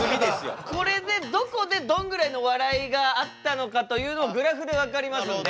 これでどこでどんぐらいの笑いがあったのかというのをグラフで分かりますんで。